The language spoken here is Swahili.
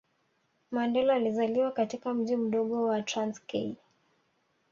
Mandela alizaliwa katika mji mdogo wa Transkei